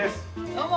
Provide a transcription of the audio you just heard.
どうも。